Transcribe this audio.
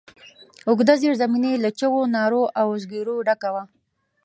اوږده زېرزميني له چيغو، نارو او زګرويو ډکه وه.